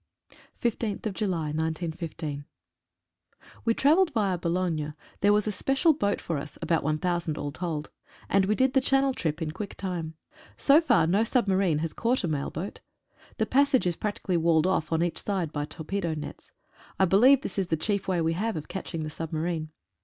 (The writer had been spending part of his leave in Dublin.) E travelled via Boulogne. There was a special boat for us (about 1,000 all told), and we did the channel trip in quick time. So far no submarine has caught a mail boat. The passage is practically walled off on each side by torpedo nets. I believe this is the chief way we have of catching the submarine.